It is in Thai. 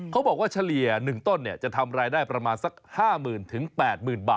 เขาบอกว่าเฉลี่ย๑ต้นเนี่ยจะทำรายได้ประมาณสัก๕๐๐๐๐๘๐๐๐๐บาทเลยทีเดียว